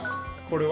これ。